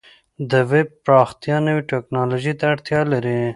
د ویب پراختیا نوې ټکنالوژۍ ته اړتیا لري.